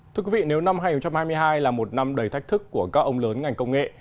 thưa quý vị nếu năm hai nghìn hai mươi hai là một năm đầy thách thức của các ông lớn ngành công nghệ